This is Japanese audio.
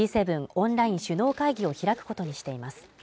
オンライン首脳会議を開くことにしています